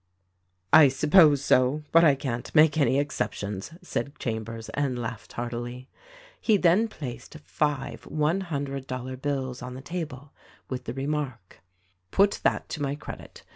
"I suppose so, but I can't make any exceptiono," said Chambers, and laughed heartily. He then placed five one hundred dollar bills on the table i6o THE RECORDING ANGEL with the remark : "Put that to my credit.